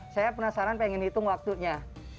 saya penasaran pengen hitung waktunya